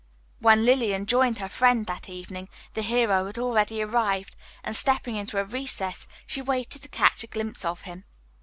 When Lillian joined her friend that evening, the hero had already arrived, and, stepping into a recess, she waited to catch a glimpse of him.